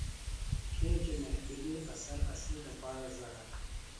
کھیچیۡ محفلی اثر اسی دپارہ زہر۔